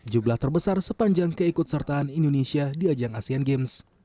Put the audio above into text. jumlah terbesar sepanjang keikut sertaan indonesia di ajang asean games